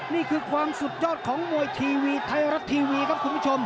นี่คือความสุดยอดของมวยทีวีไทยรัฐทีวีครับคุณผู้ชม